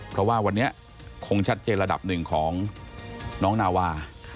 เพราะว่าวันนี้คงชัดเจนระดับหนึ่งของน้องนาวา